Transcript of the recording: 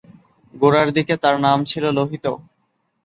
গোড়ার দিকে তার নাম ছিল লোহিত।